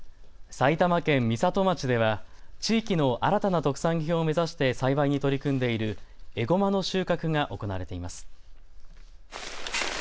埼玉県美里町では地域の新たな特産品を目指して栽培に取り組んでいるエゴマの収穫が行われています。